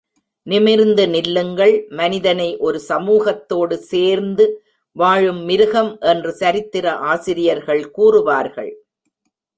நிமிர்ந்து நில்லுங்கள் மனிதனை ஒரு சமூகத்தோடு சேர்ந்து வாழும் மிருகம் என்று சரித்திர ஆசிரியர்கள் கூறுவார்கள்.